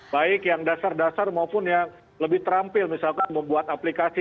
baik yang dasar dasar maupun yang lebih terampil misalkan membuat aplikasi